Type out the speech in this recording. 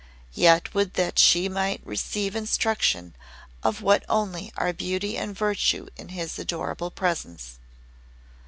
Yet would that she might receive instruction of what only are beauty and virtue in his adorable presence."